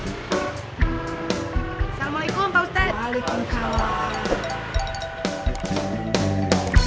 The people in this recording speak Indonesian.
assalamualaikum paustel waalaikumsalam